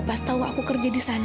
pas tau aku kerja disana